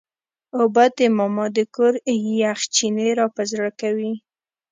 اوبه د ماما د کور یخ چینې راپه زړه کوي.